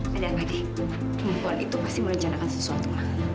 dan di perempuan itu pasti merencanakan sesuatu